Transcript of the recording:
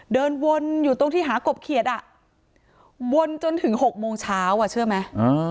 เดินวนอยู่ตรงที่หากบเขียดอ่ะวนจนถึง๖โมงเช้าอ่ะเชื่อไหม